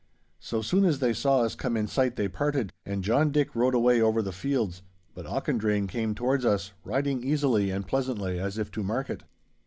So soon as they saw us come in sight they parted, and John Dick rode away over the fields, but Auchendrayne came towards us, riding easily and pleasantly as if to market.